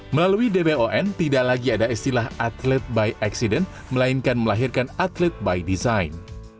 melalui d p o n tidak lagi ada istilah atlet by accident melainkan melahirkan atlet by design